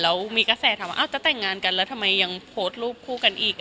แล้วมีกระแสถามว่าจะแต่งงานกันแล้วทำไมยังโพสต์รูปคู่กันอีก